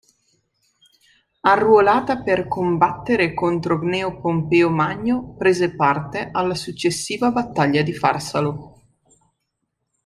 Arruolata per combattere contro Gneo Pompeo Magno, prese parte alla successiva battaglia di Farsalo.